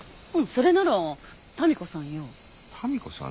それなら民子さんよ。民子さん？